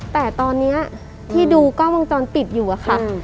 แต่ตอนนี้ที่ดูกล้องวงจรปิดอยู่อะค่ะ